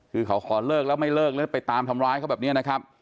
คือเขาขอเลิกแล้วไม่เลิกแล้วไปตามทำร้ายเขาแบบนี้นะครับ